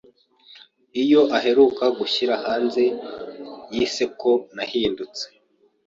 Iyo aheruka gushyira hanze yise Ko Nahindutse